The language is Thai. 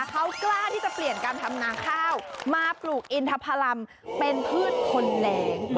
เขากล้าที่จะเปลี่ยนการทำนาข้าวมาปลูกอินทพลัมเป็นพืชคนแหลง